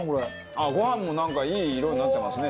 あっご飯もなんかいい色になってますね。